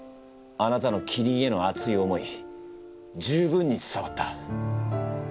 あなたのキリンへの熱い思い十分に伝わった。